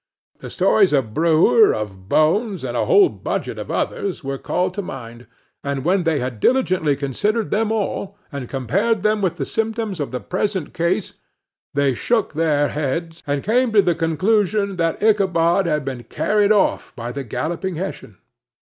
The stories of Brouwer, of Bones, and a whole budget of others were called to mind; and when they had diligently considered them all, and compared them with the symptoms of the present case, they shook their heads, and came to the conclusion that Ichabod had been carried off by the Galloping Hessian.